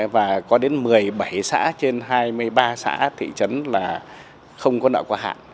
và có đến một mươi bảy xã trên hai mươi ba xã thị trấn là không có nợ quá hạn